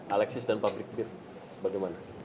alexis dan pabrik bir bagaimana